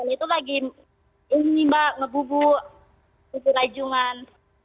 itu lagi ini mbak ngebubu bubur lajuman